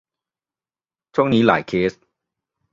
ช่วงนี้หลายเคส